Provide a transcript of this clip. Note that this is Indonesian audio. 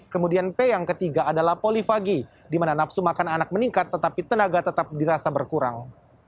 kemudian p yang ketiga adalah polifagi di mana nafsu makan anak meningkat tetapi tenaga tetap dirasa berkurang